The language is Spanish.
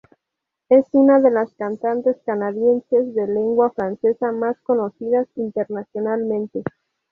Es una de las cantantes canadienses de lengua francesa más conocidas internacionalmente.